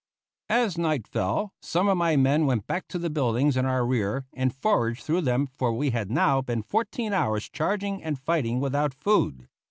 As night fell, some of my men went back to the buildings in our rear and foraged through them, for we had now been fourteen hours charging and fighting without food.